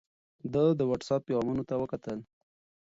ده د وټس اپ پیغامونو ته وکتل.